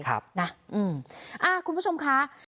คุณผู้ชมคะ